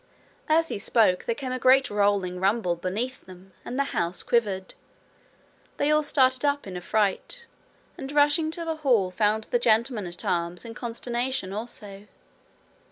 As he spoke, there came a great rolling rumble beneath them, and the house quivered. They all started up in affright, and rushing to the hall found the gentlemen at arms in consternation also.